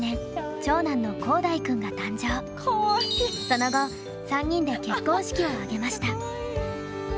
その後３人で結婚式を挙げました。